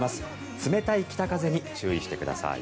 冷たい北風に注意してください。